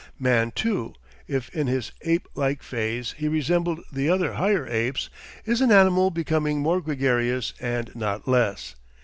Man too, if in his ape like phase he resembled the other higher apes, is an animal becoming more gregarious and not less.